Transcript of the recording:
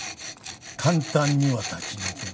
簡単には立ち退けん。